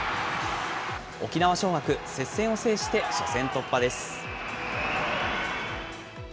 沖縄尚学、接戦を制して初戦突破です。